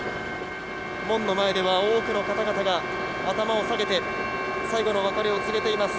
門の前では多くの方々が頭を下げて最後の別れを告げています。